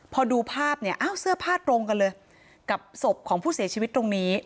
พอดูภาพเนี่ยอ้าวเสื้อผ้าตรงกันเลยกับศพของผู้เสียชีวิตตรงนี้